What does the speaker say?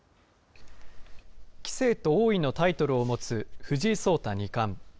棋聖と王位のタイトルを持つ藤井聡太二冠。